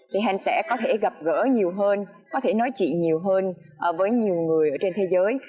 thì hành sẽ có thể gặp gỡ nhiều hơn có thể nói chị nhiều hơn với nhiều người ở trên thế giới